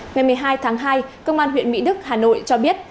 ngày một mươi hai tháng hai công an huyện mỹ đức hà nội cho biết